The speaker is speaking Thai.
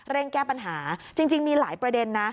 เร่งแก้ปัญหาจริงมีหลายประเด็น